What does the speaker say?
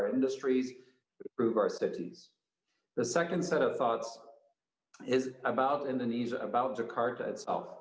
dan kita secara jujur tidak tahu apa yang ada di luar tunnel